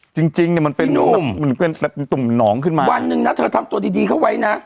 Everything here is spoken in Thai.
จริงจริงเนี่ยมันเป็นตุ่มหนองขึ้นมาวันหนึ่งนะเธอทำตัวดีดีเข้าไว้นะ